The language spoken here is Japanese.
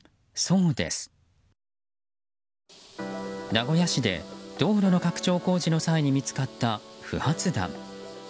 名古屋市で道路の拡張工事の際に見つかった不発弾。